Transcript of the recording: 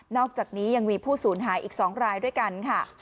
อกจากนี้ยังมีผู้สูญหายอีก๒รายด้วยกันค่ะ